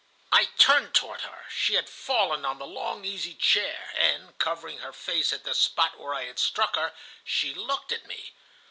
"I turned toward her. She had fallen on the long easy chair, and, covering her face at the spot where I had struck her, she looked at me.